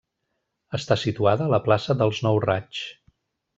Està situada a la plaça dels Nou Raigs.